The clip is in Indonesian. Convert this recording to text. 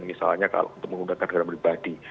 misalnya kalau untuk menggunakan kendaraan pribadi